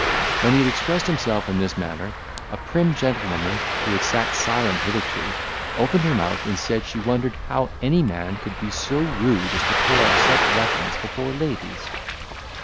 When he had expressed himself in this manner, a prim gentlewoman, who had sat silent hitherto, opened her mouth, and said, she wondered how any man could be so rude as to pull out such weapons before ladies.